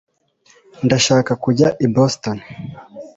ndashaka kujya i boston